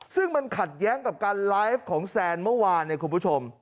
ซึ่งมันขัดแย้งกับการไลฟ์ของแซนเมื่อวานเนี่ยคุณผู้ชม